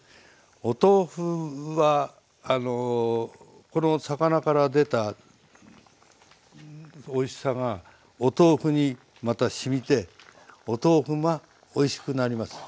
お豆腐はあのこの魚から出たおいしさがお豆腐にまたしみてお豆腐がおいしくなります。